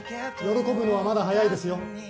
喜ぶのはまだ早いですよ。